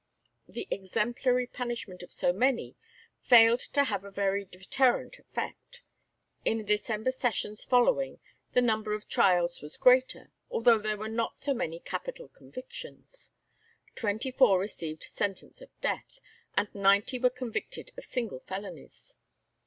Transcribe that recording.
The exemplary punishment of so many failed to have a very deterrent effect. In the December Sessions following the number of trials was greater, although there were not so many capital convictions. Twenty four received sentence of death, and ninety were convicted of single felonies.